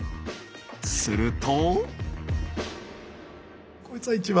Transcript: すると。